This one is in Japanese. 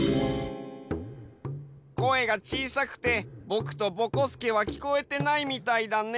声がちいさくてぼくとぼこすけはきこえてないみたいだね。